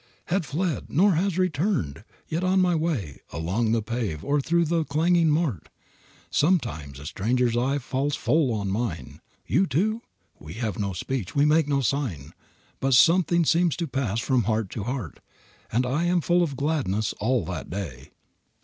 Had fled! nor has returned; yet on my way Along the pave or through the clanging mart, Sometimes a stranger's eye falls full on mine; "You too?" We have no speech, we make no sign, But something seems to pass from heart to heart, And I am full of gladness all that day.